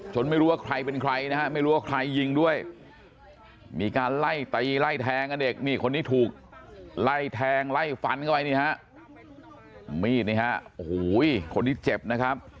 ไม่รู้ว่าใครเป็นใครนะฮะไม่รู้ว่าใครยิงด้วยมีการไล่ตีไล่แทงกันอีกนี่คนนี้ถูกไล่แทงไล่ฟันเข้าไปนี่ฮะมีดนี่ฮะโอ้โหคนที่เจ็บนะครับ